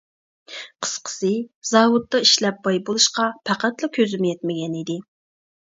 قىسقىسى، زاۋۇتتا ئىشلەپ باي بولۇشقا پەقەتلا كۆزۈم يەتمىگەن ئىدى.